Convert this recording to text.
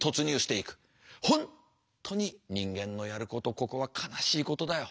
本当に人間のやることここは悲しいことだよ。